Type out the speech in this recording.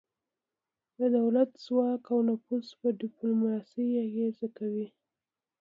د دولت ځواک او نفوذ په ډیپلوماسي اغیزه کوي